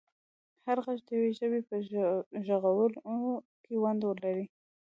هر غږ د یوې ژبې په ژغورلو کې ونډه لري.